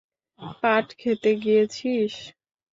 পাট ক্ষেতে গিয়েছিস?